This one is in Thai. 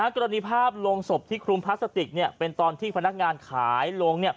กรณีภาพลงศพที่คลุมพลาสติกเป็นตอนที่พนักงานขายลง